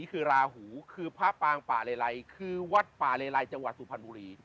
คือราหูคือพระปางป่าเลไลคือวัดป่าเลไลจังหวัดสุพรรณบุรี